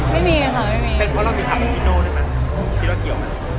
ไม่มีใครที่เข้ามาเลย